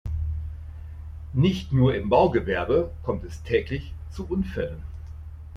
Nicht nur im Baugewerbe kommt es täglich zu Unfällen.